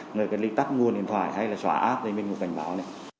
người cất ly tắt nguồn điện thoại hay là xóa app thì mình cũng cảnh báo